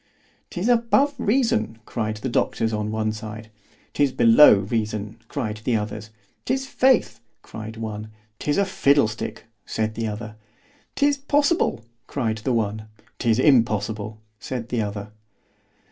'Tis above reason, cried the doctors on one side. 'Tis below reason, cried the others. 'Tis faith, cried one. 'Tis a fiddle stick, said the other. 'Tis possible, cried the one. 'Tis impossible, said the other.